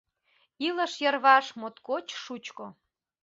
Илыш йырваш моткоч шучко.